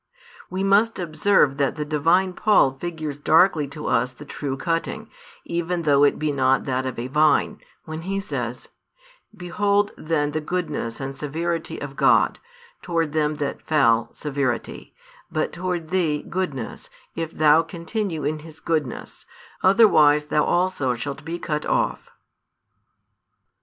We must observe that the divine Paul figures darkly to us the true cutting, even though it be not that of a vine, when he says: Behold then the goodness and severity of God: toward them that fell, severity; but toward thee, goodness, if thou continue in His goodness: otherwise thou also shalt be cut off.